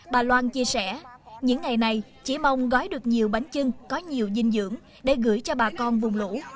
bà loan chia sẻ những ngày này chỉ mong gói được nhiều bánh trưng có nhiều dinh dưỡng để gửi cho bà con vùng lũ